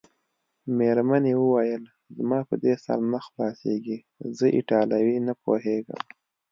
مېرمنې وویل: زما په دې سر نه خلاصیږي، زه ایټالوي نه پوهېږم.